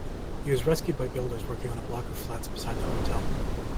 He was rescued by builders working on a block of flats beside the hotel.